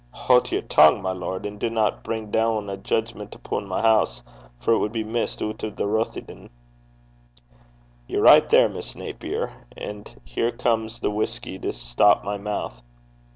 'Haud yer tongue, my lord, and dinna bring doon a judgment upo' my hoose, for it wad be missed oot o' Rothieden.' 'You're right there, Miss Naper. And here comes the whisky to stop my mouth.'